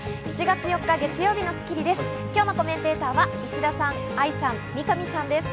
７月４日、月曜日の『スッキリ』です。